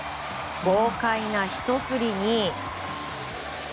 豪快なひと振りに。